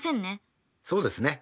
そうですね。